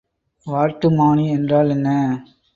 வாட்டுமானி என்றால் என்ன?